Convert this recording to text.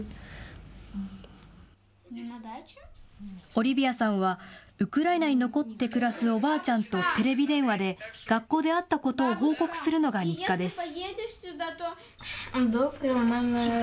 オリビアさんはウクライナに残って暮らすおばあちゃんとテレビ電話で学校であったことを報告するのが日課です。